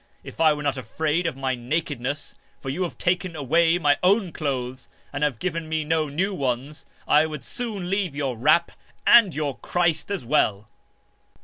If I were not afraid of my naked ness, for you have taken away my own clothes and have given me no new ones, I would soon leave your wrap and your Christ as well."